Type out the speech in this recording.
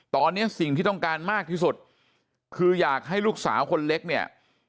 ตอนนี้สิ่งที่ต้องการมากที่สุดคืออยากให้ลูกสาวคนเล็กเนี่ย